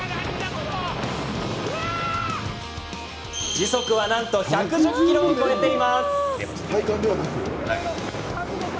時速は、なんと１１０キロを超えています。